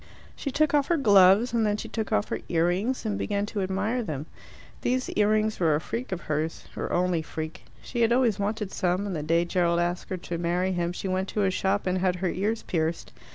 She took off her gloves, and then she took off her ear rings and began to admire them. These ear rings were a freak of hers her only freak. She had always wanted some, and the day Gerald asked her to marry him she went to a shop and had her ears pierced.